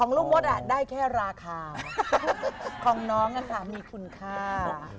ลูกมดได้แค่ราคาของน้องมีคุณค่า